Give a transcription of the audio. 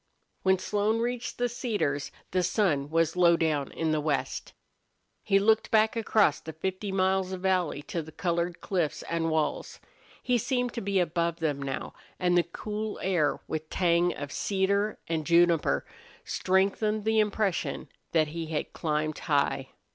When Slone reached the cedars the sun was low down in the west. He looked back across the fifty miles of valley to the colored cliffs and walls. He seemed to be above them now, and the cool air, with tang of cedar and juniper, strengthened the impression that he had climbed high.